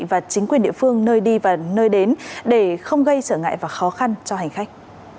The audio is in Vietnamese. và chính quyền địa phương nơi đi và nơi đến để không gây trở ngại và khó khăn cho hành khách